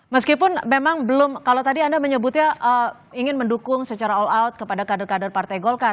meskipun memang belum kalau tadi anda menyebutnya ingin mendukung secara all out kepada kader kader partai golkar